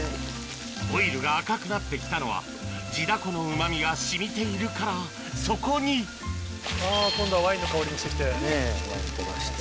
オイルが赤くなってきたのは地ダコのうまみが染みているからそこに今度はワインの香りもしてきて。ねぇワイン飛ばして。